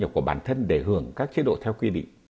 được thu nhập của bản thân để hưởng các chế độ theo quy định